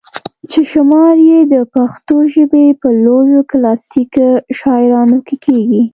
چې شمار ئې د پښتو ژبې پۀ لويو کلاسيکي شاعرانو کښې کيږي